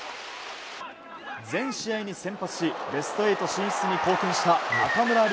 全試合に先発しベスト８進出に貢献した中村亮